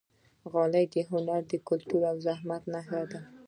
غالۍ د هنر، کلتور او زحمت نښه ده.